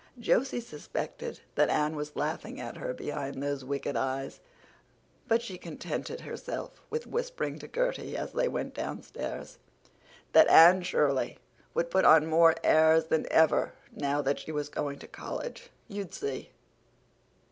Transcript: Josie suspected that Anne was laughing at her behind those wicked eyes; but she contented herself with whispering to Gertie, as they went downstairs, that Anne Shirley would put on more airs than ever now that she was going to college—you'd see!